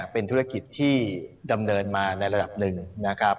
เป็นธุรกิจที่ดำเนินมาในระดับหนึ่งนะครับ